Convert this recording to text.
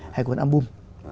hai cuốn album